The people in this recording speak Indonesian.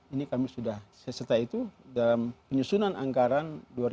ini kami sudah seserta itu dalam penyusunan anggaran dua ribu delapan belas dua ribu sembilan belas